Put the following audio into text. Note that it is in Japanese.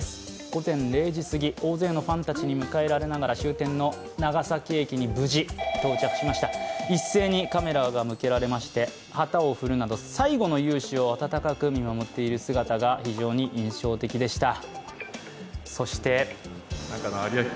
午前０時すぎ、大勢のファンたちに迎えられながら終点の長崎駅に無事、到着しました一斉にカメラが向けられまして、旗を振るなど最後の雄姿を温かく見守っている姿が非常に印象的でした。